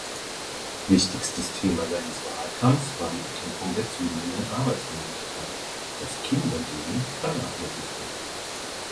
Wichtigstes Thema seines Wahlkampfs war die Bekämpfung der zunehmenden Arbeitslosigkeit, das King dagegen vernachlässigte.